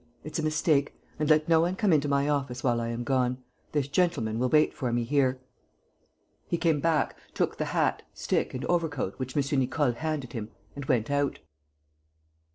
It's a mistake. And let no one come into my office while I am gone. This gentleman will wait for me here." He came back, took the hat, stick and overcoat which M. Nicole handed him and went out.